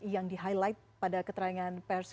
yang di highlight pada keterangan pers